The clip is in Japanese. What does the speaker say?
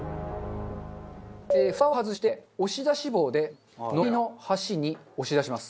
フタを外して押し出し棒で海苔の端に押し出します。